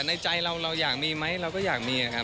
ในใจเราอยากมีไหมเราก็อยากมี